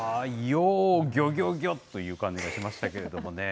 ようぎょぎょぎょという感じがしましたけれどもね。